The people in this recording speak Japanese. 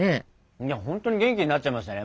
本当に元気になっちゃいましたね。